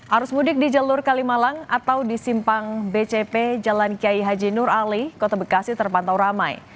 arus mudik di jalur kalimalang atau di simpang bcp jalan kiai haji nur ali kota bekasi terpantau ramai